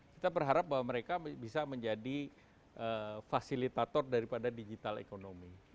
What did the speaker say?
kita berharap bahwa mereka bisa menjadi fasilitator daripada digital economy